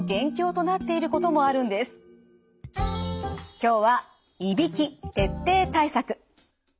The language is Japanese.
今日はいびき徹底対策。